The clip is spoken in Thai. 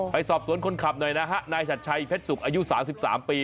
ไปสอบสวนคนขับหน่อยนะฮะนายชัดชัยเพชรสุกอายุ๓๓ปี